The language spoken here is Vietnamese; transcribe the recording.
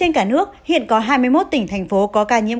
cả nước hiện có hai mươi một tỉnh thành phố có ca nhiễm